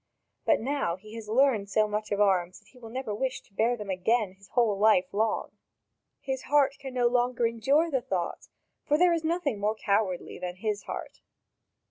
But now he has learned so much of arms that he will never wish to bear them again his whole life long. His heart cannot longer endure the thought, for there is nothing more cowardly than his heart."